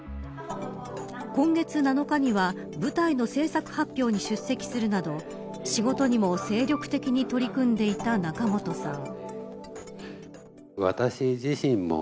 今月７日には舞台の制作発表に出席するなど仕事にも精力的に取り組んでいた仲本さん。